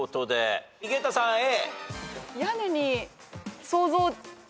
井桁さんＡ。